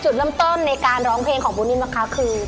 จุดล้ำเติมในการร้องเพลงของปูนิ่มก็คือ